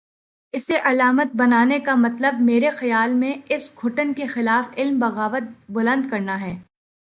اسے علامت بنانے کا مطلب، میرے خیال میں اس گھٹن کے خلاف علم بغاوت بلند کرنا ہے۔